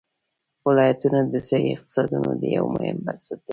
ولایتونه د ځایي اقتصادونو یو مهم بنسټ دی.